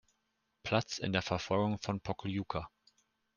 Platz in der Verfolgung von Pokljuka.